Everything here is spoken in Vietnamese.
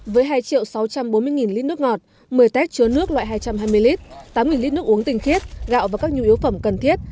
với hai sáu trăm bốn mươi lít nước ngọt một mươi tét chứa nước loại hai trăm hai mươi lít tám lít nước uống tinh khiết gạo và các nhu yếu phẩm cần thiết